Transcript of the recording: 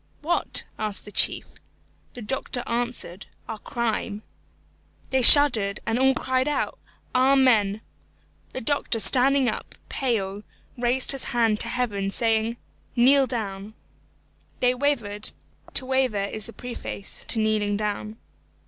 "What?" asked the chief. The doctor answered, "Our Crime." They shuddered, and all cried out, "Amen." The doctor standing up, pale, raised his hand to heaven, saying, "Kneel down." They wavered to waver is the preface to kneeling down.